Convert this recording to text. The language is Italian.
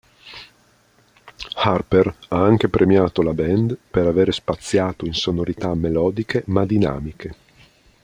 Harper ha anche premiato la band per aver spaziato in sonorità melodiche ma dinamiche.